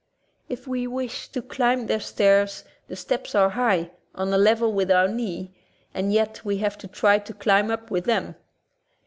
If we wish to climb their stairs, the steps are high, on a level with our knee, and yet we have to try to climb up with them.